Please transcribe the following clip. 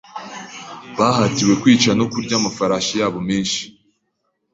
Bahatiwe kwica no kurya amafarashi yabo menshi.